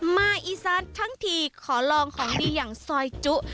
มาอีสานทั้งทีขอลองของดีอย่างซอยจุ